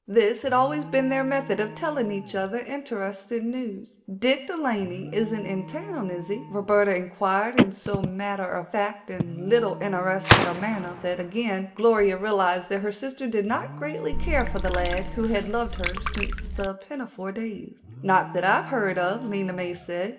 This had always been their method of telling each other interesting news. "Dick De Laney isn't in town, is he?" Roberta inquired in so matter of fact and little interested a manner that again Gloria realized that her sister did not greatly care for the lad who had loved her since the pinafore days. "Not that I've heard of," Lena May said.